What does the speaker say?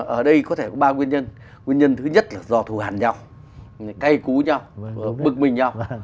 ở đây có thể có ba nguyên nhân nguyên nhân thứ nhất là do thù hẳn nhau cay cú nhau bực mình nhau